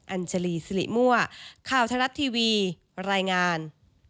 อัญชลีสิริมั่วข่าวทะลัดทีวีรายงาน